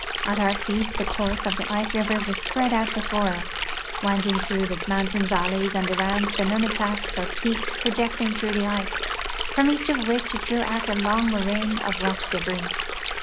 At our feet the course of the ice river was si)read out before us. winding through the mountain valleys and around the nunataks or peaks projecting through the ice, from each of which it drew out a long moraine of rock debris.